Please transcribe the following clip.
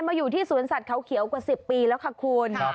มาอยู่ที่สวนสัตว์เขาเขียวกว่า๑๐ปีแล้วค่ะคุณ